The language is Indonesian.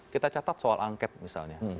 kita catat soal angket misalnya